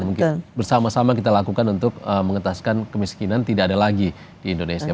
mungkin bersama sama kita lakukan untuk mengetaskan kemiskinan tidak ada lagi di indonesia